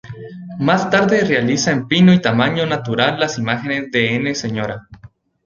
Más tarde realiza en pino y tamaño natural las imágenes de N. Sra.